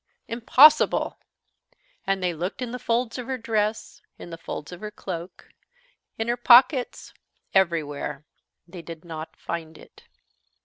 Impossible!" And they looked in the folds of her dress, in the folds of her cloak, in her pockets, everywhere. They did not find it.